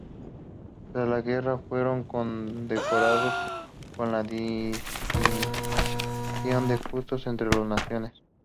Tras la guerra, fueron condecorados con la distinción de Justos entre las Naciones.